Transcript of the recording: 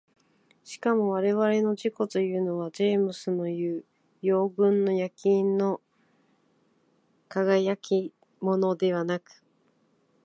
しかも我々の自己というのはジェームスのいう羊群の焼印の如きものではなく、